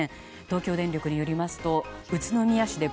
東京電力によりますと宇都宮市で